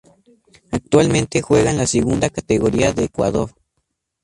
Actualmente juega en la Segunda Categoría de Ecuador.